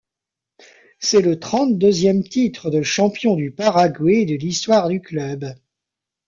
C'est le trente-deuxième titre de champion du Paraguay de l’histoire du club.